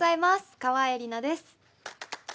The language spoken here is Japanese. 川栄李奈です。